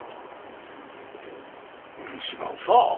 違うさ。